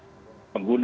kita bisa mengingatkan